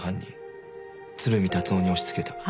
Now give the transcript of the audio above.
鶴見達男に押しつけた。